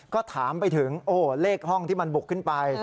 ก็ถามไปถึงเลขห้องที่มันบุกขึ้นไป